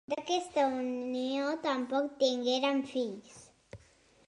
D'aquesta unió tampoc tingueren fills.